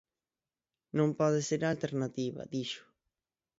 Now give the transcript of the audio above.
Non pode ser a alternativa, dixo.